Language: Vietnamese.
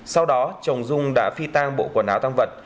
sau đó chồng dung đã phi tang bộ quần áo tăng vật